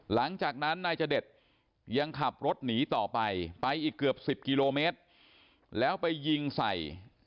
หลังจากนั้นนายจเดชยังขับรถหนีต่อไปไปอีกเกือบ๑๐กิโลเมตรแล้วไปยิงใส่